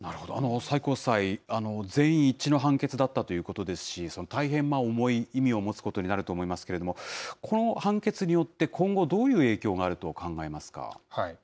最高裁、全員一致の判決だったということですし、大変重い意味を持つことになると思いますけれども、この判決によって、今後どういう影響があると考えますか？